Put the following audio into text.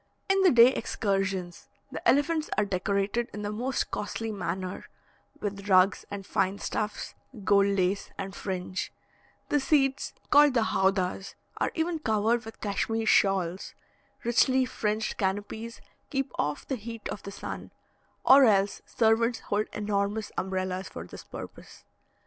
In the day excursions, the elephants are decorated in the most costly manner with rugs and fine stuffs, gold lace, and fringe; the seats called the howdahs are even covered with Cashmere shawls; richly fringed canopies keep off the heat of the sun, or else servants hold enormous umbrellas for this purpose.